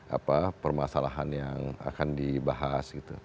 apa permasalahan yang akan dibahas gitu